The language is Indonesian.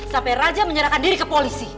sampai raja menyerahkan diri ke polisi